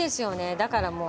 だからもう。